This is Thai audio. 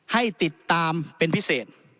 ให้ติดตามเป็นพิเศษ